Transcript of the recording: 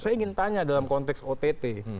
saya ingin tanya dalam konteks ott